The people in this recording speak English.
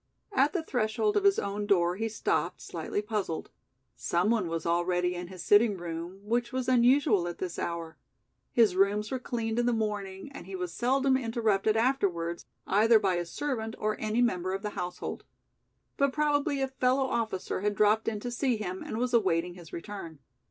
At the threshold of his own door he stopped, slightly puzzled. Some one was already in his sitting room, which was unusual at this hour. His rooms were cleaned in the morning and he was seldom interrupted afterwards either by a servant or any member of the household. But probably a fellow officer had dropped in to see him and was awaiting his return.